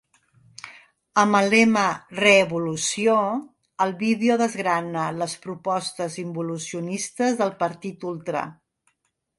Amb el lema ‘ReEvolució’, el vídeo desgrana les propostes involucionistes del partit ultra.